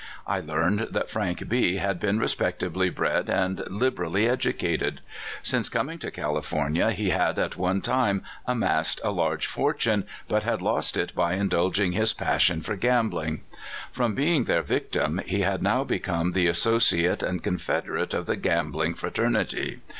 I learned that Frank B had been respectably bred and liberally educated. Since coming to Cal ifornia he had at one time amassed a large fortune, but had lost it by indulging his passion for gam bling. From being their victim, he had now be come the associate and confederate of the gam bling fraternity.